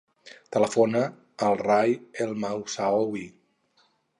Telefona al Rai El Moussaoui.